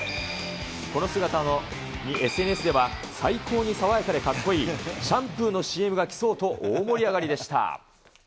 この姿にＳＮＳでは、最高に爽やかでかっこいい、シャンプーのＣＭが来そうと大盛り上がりでした。